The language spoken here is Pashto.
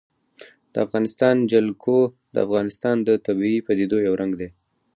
د افغانستان جلکو د افغانستان د طبیعي پدیدو یو رنګ دی.